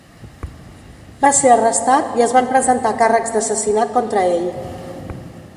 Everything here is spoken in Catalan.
Va ser arrestat i es van presentar càrrecs d'assassinat contra ell.